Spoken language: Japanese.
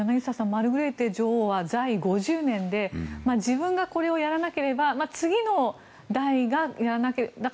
マルグレーテ女王は在位５０年で自分がこれをやらなければ次の代がやらなければいけない。